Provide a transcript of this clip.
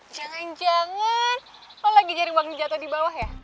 jangan jangan lo lagi jaring bangun jatoh di bawah ya